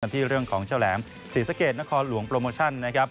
ที่เรื่องของเจ้าแหลมศิษย์สะเก็ดนครหลวงโปรโมชั่น